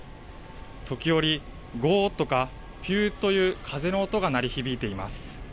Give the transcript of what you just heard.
時折ゴーッとかピューという風の音が鳴り響いています。